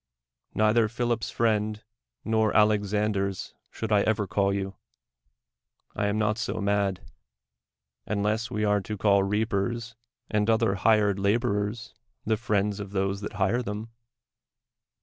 Neither Philip's friend nor Alexander's should I ever call you ; I am not so mad — unless we are to call reapers and other hired laborers the friends of those that hire them.